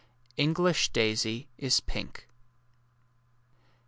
English daisy is pink.